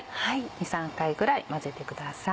２３回ぐらい混ぜてください。